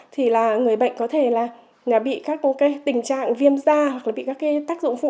thì là người bệnh có thể là bị các cái tình trạng viêm da hoặc là bị các cái tác dụng phụ